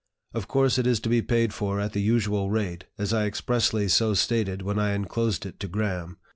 Of course it is to be paid for at the usual rate, as I expressly so stated when I inclosed it to Graham.